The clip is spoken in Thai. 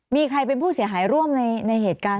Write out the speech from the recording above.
มีใครเป็นผู้เสียหายร่วมในเหตุการณ์